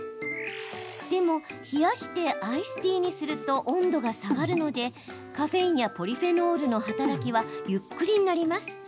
でも、冷やしてアイスティーにすると温度が下がるのでカフェインやポリフェノールの働きはゆっくりになります。